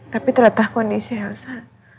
tapi terletak kondisi elsa